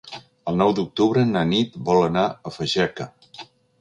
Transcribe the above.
El nou d'octubre na Nit vol anar a Fageca.